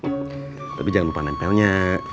tapi jangan lupa nempelnya